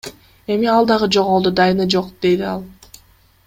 Эми ал дагы жоголду, дайыны жок, – дейт ал.